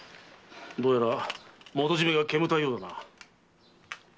どうやら元締が煙たいようだな。